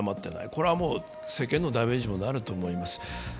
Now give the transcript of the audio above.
これはもう政権のダメージにもなると思います。